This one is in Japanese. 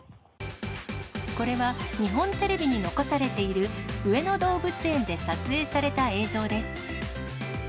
これは日本テレビに残されている上野動物園で撮影された映像です。